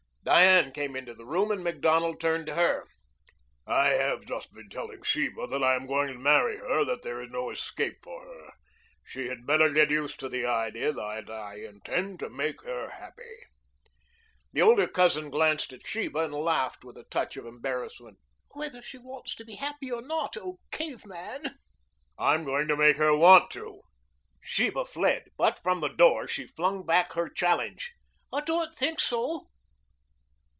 Diane came into the room and Macdonald turned to her. "I have just been telling Sheba that I am going to marry her that there is no escape for her. She had better get used to the idea that I intend to make her happy." The older cousin glanced at Sheba and laughed with a touch of embarrassment. "Whether she wants to be happy or not, O Cave Man?" "I'm going to make her want to." Sheba fled, but from the door she flung back her challenge. "I don't think so."